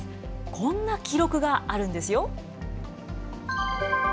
こんな記録があるんですよ。